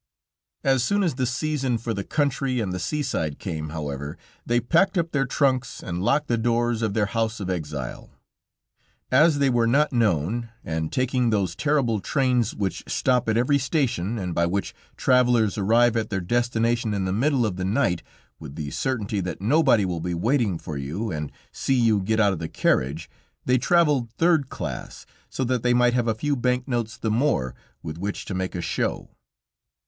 As soon as the season for the country and the seaside came, however, they packed up their trunks, and locked the doors of their house of exile. As they were not known, and taking those terrible trains which stop at every station, and by which travelers arrive at their destination in the middle of the night, with the certainty that nobody will be waiting for you, and see you get out of the carriage, they traveled third class, so that they might have a few bank notes the more, with which to make a show.